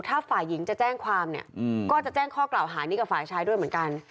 ถ้าฝ่ายหญิงจะแจ้งความเนี่ยก็จะแจ้งข้อกล่าวหานี้กับฝ่ายชายด้วยเหมือนกัน